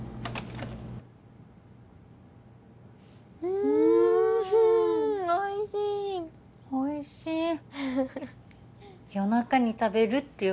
うんおいしいうんおいしい夜中に食べるっていう